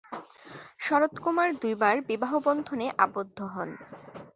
শরৎকুমার দুইবার বিবাহবন্ধনে আবদ্ধ হন।